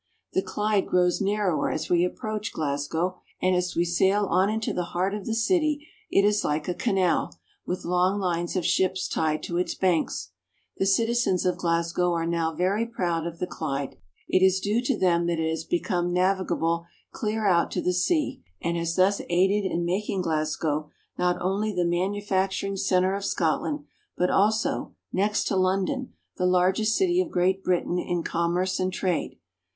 The Clyde grows narrower as we approach Glasgow, and as we sail on into the heart of the city it is like a canal, with long lines of ships tied to its banks. The citizens of Glasgow are now very proud of the Clyde. It is due to them that it has become, navigable clear out to the sea, and has thus aided in making Glasgow, The Clyde. not only the manufacturing center of Scotland, but also, next to London, the largest city of Great Britain in com merce and trade.